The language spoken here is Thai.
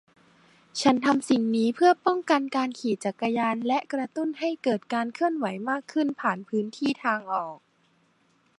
ฉันทำสิ่งนี้เพื่อป้องกันการขี่จักรยานและกระตุ้นให้เกิดการเคลื่อนไหวมากขึ้นผ่านพื้นที่ทางออก